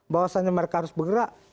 bahwasannya mereka harus bergerak